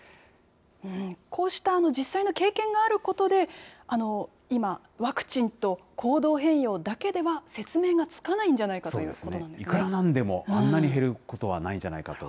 こうした実際の経験があることで、今、ワクチンと行動変容だけでは説明がつかないんじゃないかというこいくらなんでも、あんなに減ることはないんじゃないかと。